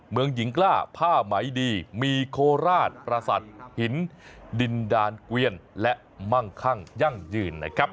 เมืองหญิงกล้าผ้าไหมดีมีโคราชประสาทหินดินดานเกวียนและมั่งคั่งยั่งยืนนะครับ